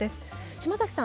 島崎さん